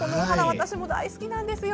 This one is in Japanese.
私も大好きなんですよ！